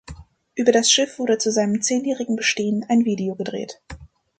Über das Schiff wurde zu seinem zehnjährigen Bestehen ein Video gedreht.